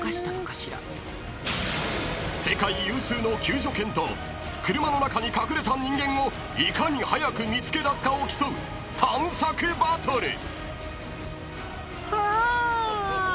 ［世界有数の救助犬と車の中に隠れた人間をいかに早く見つけ出すかを競う探索バトル！］